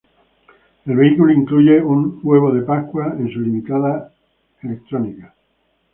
El vehículo incluye un huevo de pascua en su limitada electrónica.